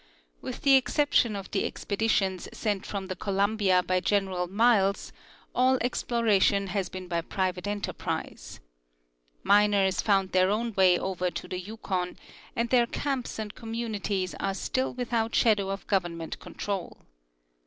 With the exception of the expeditions sent from the Columbia by General Miles, all exploration has been by private enterprise. Miners found their own way over to the Yukon, and their camps and communities are still without shadow of government con trol.